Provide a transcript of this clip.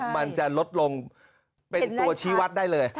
มันจะลดลงเป็นตัวชี้วัดได้เลย